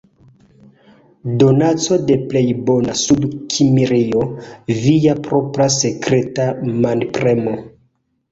Donaco de plej bona Sudkimrio - via propra sekreta manpremo!